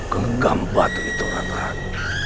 genggam batu itu rambut